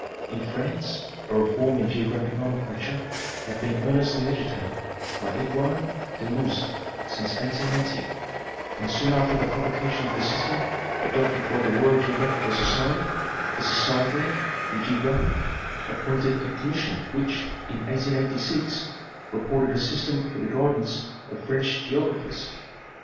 In France a reform in geographic nomenclature had been ear nestly agitated by Edouard de Luze since 1880, and soon after the publication of the system adopted by the Royal Geographical Society, the Société de Géographie appointed a commission which, in 1886, reported a system for the guidance of French geogra phers.